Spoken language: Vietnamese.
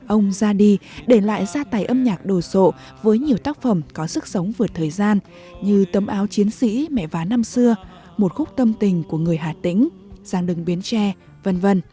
ông ra đi để lại gia tài âm nhạc đồ sộ với nhiều tác phẩm có sức sống vượt thời gian như tấm áo chiến sĩ mẹ vá năm xưa một khúc tâm tình của người hà tĩnh giang đường bến tre v v